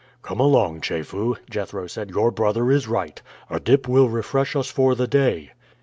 "Come along, Chefu," Jethro said, "your brother is right; a dip will refresh us for the day."